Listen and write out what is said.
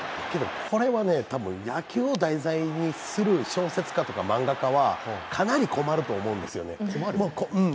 これは多分、野球を題材にする小説家とか漫画家はかなり困ると思うんですよね。